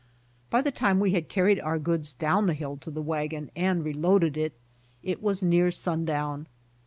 By the time we had carried our goods down the hill to the wagon and reloaded it, it was near sundown.